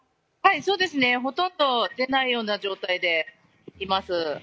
ほとんど出ないような状態でいます。